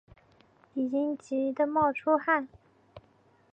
已经急的冒出汗